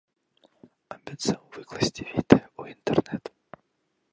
Абяцаў выкласці відэа ў інтэрнэт.